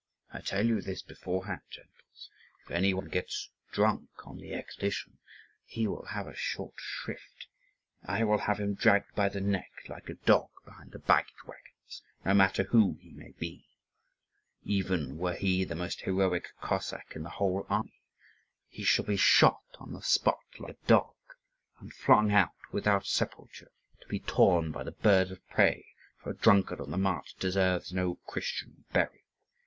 I tell you this beforehand, gentles, if any one gets drunk on the expedition, he will have a short shrift: I will have him dragged by the neck like a dog behind the baggage waggons, no matter who he may be, even were he the most heroic Cossack in the whole army; he shall be shot on the spot like a dog, and flung out, without sepulture, to be torn by the birds of prey, for a drunkard on the march deserves no Christian burial.